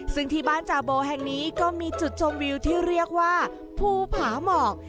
ซึ่งที่บ้านจาโบแห่งนี้ก็มีจุดชมวิวที่เรียกว่าภูผาหมอก